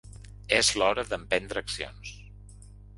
És l'hora d'emprendre accions.